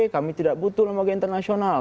kami tidak butuh lembaga internasional